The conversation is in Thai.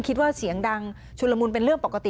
คิดว่าเสียงดังชุลมุนเป็นเรื่องปกติ